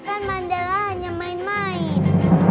kan mandela hanya main main